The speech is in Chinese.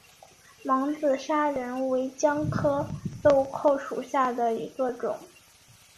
蒙自砂仁为姜科豆蔻属下的一个种。